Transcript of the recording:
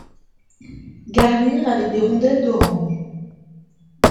Garnir avec des rondelles d'orange.